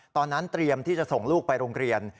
ตอนนั้นเตรียมที่จะส่งลูกไปโรงเรียน